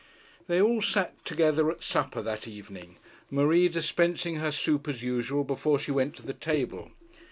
They all sat down together at supper that evening, Marie dispensing her soup as usual before she went to the table.